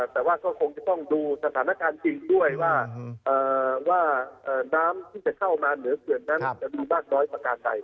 แต่ว่าก็คงจะต้องดูสถานการณ์จริงด้วยว่าน้ำที่จะเข้ามาเหนือเขื่อนนั้นจะมีมากน้อยประการใด